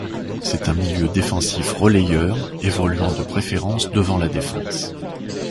C'est un milieu défensif relayeur, évoluant de préférence devant la défense.